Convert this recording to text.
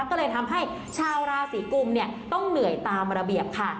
ก็เลยทำให้ชาวราศีกุมต้องเหนื่อยตามระเบียบค่ะ